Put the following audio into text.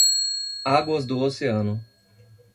Águas do oceano.